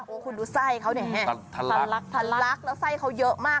โอ้คุณดูไส้เขานี่ทันลักษณ์แล้วไส้เขาเยอะมาก